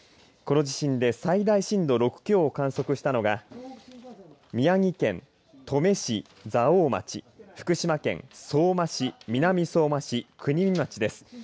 この地震で最大震度６強を観測したのが宮城県登米市蔵王町福島県相馬市、南相馬市国見町です。